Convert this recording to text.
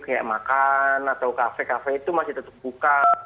kayak makan atau kafe kafe itu masih tetap buka